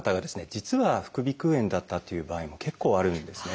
実は副鼻腔炎だったっていう場合も結構あるんですね。